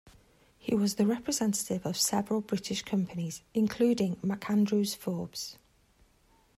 He was the representative of several British companies, including MacAndrew Forbes.